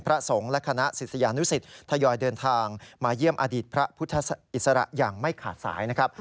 พระสงฆ์และคณะศิษยานุสิตทยอยเดินทางมาเยี่ยมอดีตพระพุทธอิสระอย่างไม่ขาดสายนะครับ